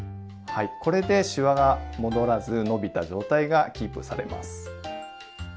はいこれでしわが戻らず伸びた状態がキープされます。